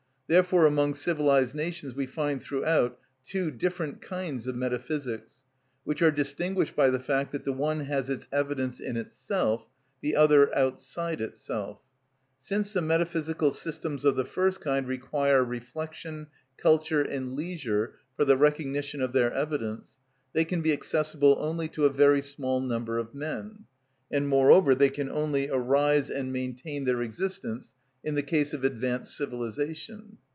Therefore among civilised nations we find throughout two different kinds of metaphysics, which are distinguished by the fact that the one has its evidence in itself, the other outside itself. Since the metaphysical systems of the first kind require reflection, culture, and leisure for the recognition of their evidence, they can be accessible only to a very small number of men; and, moreover, they can only arise and maintain their existence in the case of advanced civilisation.